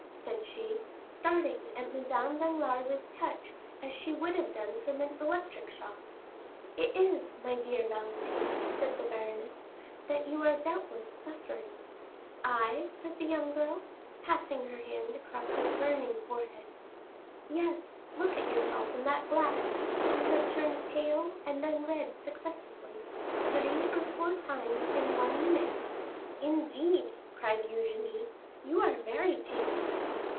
said she, starting at Madame Danglars' touch as she would have done from an electric shock. "It is, my dear Valentine," said the baroness, "that you are, doubtless, suffering." 40280m "I?" said the young girl, passing her hand across her burning forehead. "Yes, look at yourself in that glass; you have turned pale and then red successively, three or four times in one minute." "Indeed," cried Eugénie, "you are very pale!"